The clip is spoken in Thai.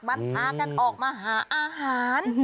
มันพากันออกมาหาอาหาร